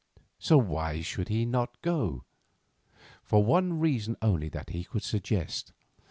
Why should he not go? For one reason only that he could suggest.